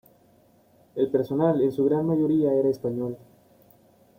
El personal en su gran mayoría era español.